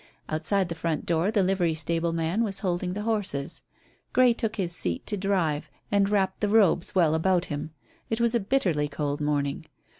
Outside the front door the livery stable man was holding the horses. Grey took his seat to drive, and wrapped the robes well about him. It was a bitterly cold morning.